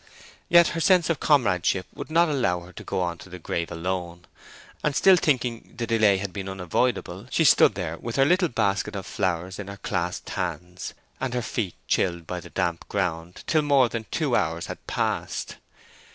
Yet her sense of comradeship would not allow her to go on to the grave alone, and still thinking the delay had been unavoidable, she stood there with her little basket of flowers in her clasped hands, and her feet chilled by the damp ground, till more than two hours had passed.